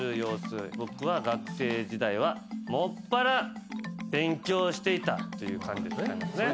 僕は学生時代は専ら勉強していたという感じで使いますね。